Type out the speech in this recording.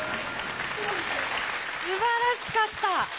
すばらしかった。